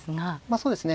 そうですね。